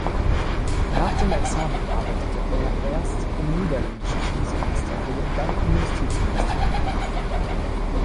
Nach dem Examen arbeitete er erst im niederländischen Kriegsministerium, dann im Justizministerium.